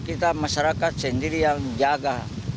kita masyarakat sendiri yang jaga